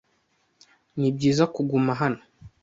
Ni byiza kuguma hano?